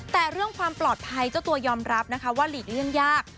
แต่เรื่องความปลอดภัยเจ้าตัวยอมรับนะคะว่าหลีกเลี่ยงยาก